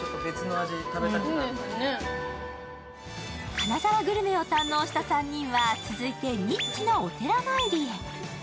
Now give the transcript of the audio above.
金沢グルメを堪能した３人は続いてニッチなお寺参り。